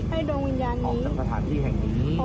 ดวงวิญญาณออกจากสถานที่แห่งนี้